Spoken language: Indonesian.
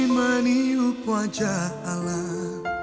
meniup wajah alam